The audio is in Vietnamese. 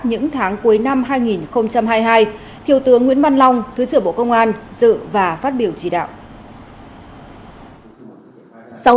những tháng cuối năm hai nghìn hai mươi hai thiếu tướng nguyễn văn long thứ trưởng bộ công an dự và phát biểu chỉ đạo